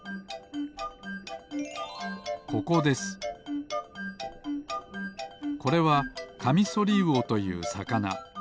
ここですこれはカミソリウオというさかな。